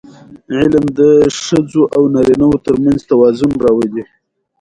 علم د ښځو او نارینهوو ترمنځ توازن راولي.